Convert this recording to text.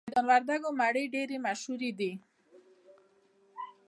د میدان وردګو مڼې ډیرې مشهورې دي